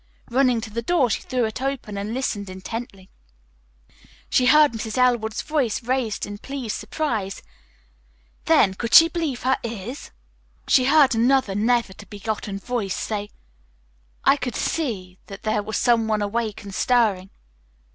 Running to the door she threw it open and listened intently. She heard Mrs. Elwood's voice raised in pleased surprise, then, could she believe her ears? she heard another never to be forgotten voice say, "I could see that there was some one awake and stirring."